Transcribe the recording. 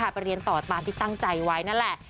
ไปเรียนต่อตามที่ตั้งใจไว้นั่นแหละ